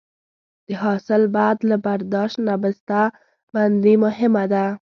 د حاصل بعد له برداشت نه بسته بندي مهمه ده.